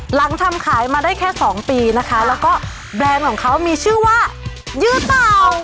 หลังทำขายมาได้แค่สองปีนะคะแล้วก็แบรนด์ของเขามีชื่อว่ายืดเต่า